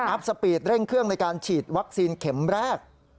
สปีดเร่งเครื่องในการฉีดวัคซีนเข็มแรก